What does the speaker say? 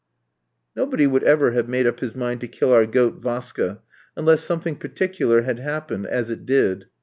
Nobody would ever have made up his mind to kill our goat Vaska, unless something particular had happened; as it did.